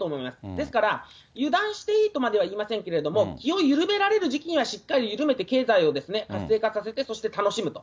ですから、油断していいとまでは言いませんけれども、気を緩められる時期にはしっかり緩めて、経済を活性化させて、そして楽しむと。